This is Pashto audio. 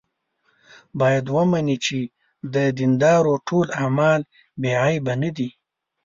باید ومني چې د دیندارو ټول اعمال بې عیبه نه دي.